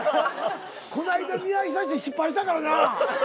こないだ見合いさせて失敗したからな。